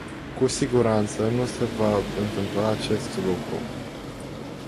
Cu siguranță nu se va întâmpla acest lucru.